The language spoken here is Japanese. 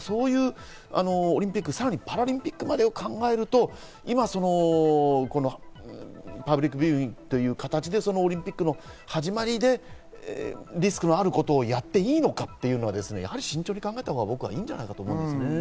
オリンピック、さらにパラリンピックまでを考えるとパブリックビューイングという形でオリンピックの始まりで、リスクがあることをやっていいのか、やはり慎重に考えた方がいいんじゃないかと僕は思います。